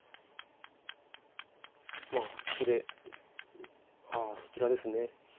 まあここでああそちらですね。